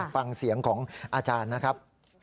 ฟังเสียงของอาจารย์นะครับ